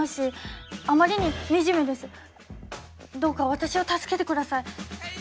どうか私を助けて下さい。